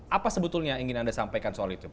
apa sebetulnya yang ingin anda sampaikan soal itu